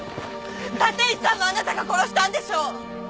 立石さんもあなたが殺したんでしょ！